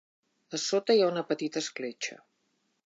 A sota hi ha una petita escletxa.